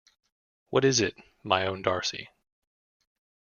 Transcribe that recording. What is it, my own Darcey?